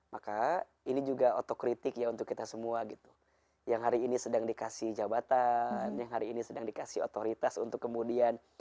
maka ini juga otokritik ya untuk kita semua gitu yang hari ini sedang dikasih jabatan yang hari ini sedang dikasih otoritas untuk kemudian